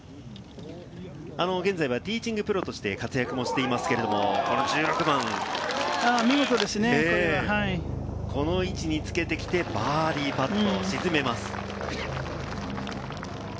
現在はティーチングプロとして活躍もしていますけれども、見事ですね、これは。この位置につけてきて、バーディーパット沈めます。